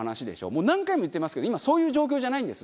もう何回も言ってますけど今そういう状況じゃないんです。